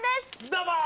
どうもー！